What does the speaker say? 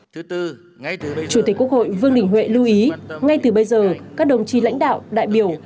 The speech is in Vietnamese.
chủ tịch quốc hội vương đình huệ lưu ý ngay từ bây giờ các đồng chí lãnh đạo đại biểu